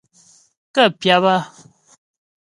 Kə́ pyáp á.